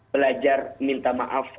belajar minta maaf